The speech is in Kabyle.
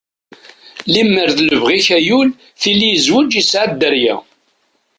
Limer d libɣi-k ayul, tili yezweǧ yesɛa dderya.